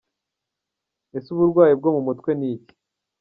Ese uburwayi bwo mu mutwe ni iki?.